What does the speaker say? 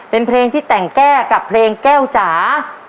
เป็นเพลงที่แต่งแก้กับเพลงแก้วจ๋า